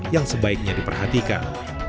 yang sebaiknya diperhatikan